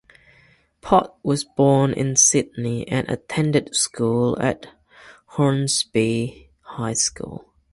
Putt was born in Sydney and attended school at Hornsby High School.